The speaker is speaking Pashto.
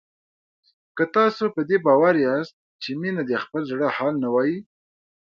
که تاسو په دې باور یاست چې مينه د خپل زړه حال نه وايي